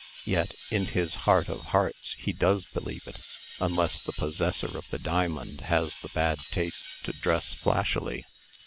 Yet, in his heart of hearts, he does believe it, unless the possessor of the diamond has the bad taste to dress flashily.